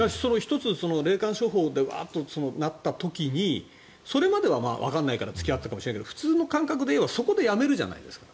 １つ、霊感商法でわーっとなった時にそれまではわからないから付き合っていたかもしれないけど普通の感覚で言えばそこでやめるじゃないですか。